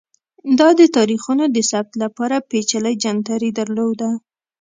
دا د تاریخونو د ثبت لپاره پېچلی جنتري درلوده